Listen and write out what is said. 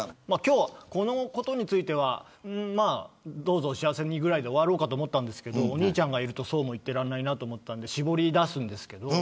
このことについてはどうぞお幸せにぐらいで終わろうと思ったんですがお兄ちゃんもいるとそうも言っていられないので絞り出すんですが。